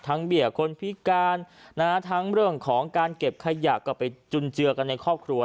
เบี้ยคนพิการนะฮะทั้งเรื่องของการเก็บขยะก็ไปจุนเจือกันในครอบครัว